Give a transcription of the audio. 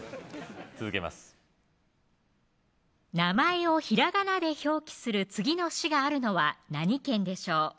続けます名前をひらがなで表記する次の市があるのは何県でしょう